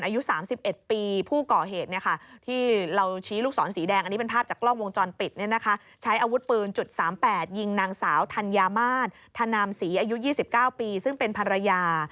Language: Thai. ยิงนางสาวธัญญามาตรธนามศรีอายุ๒๙ปีซึ่งเป็นภรรยา